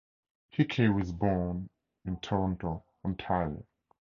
Hickey was born in Toronto, Ontario.